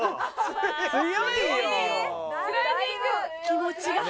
気持ちが。